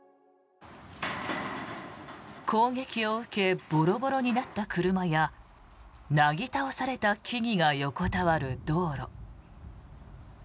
攻撃を受けボロボロになった車やなぎ倒された木々が横たわる道路。